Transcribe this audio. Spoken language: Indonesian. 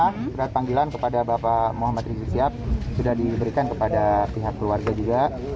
surat panggilan kepada bapak muhammad rizik sihab sudah diberikan kepada pihak keluarga juga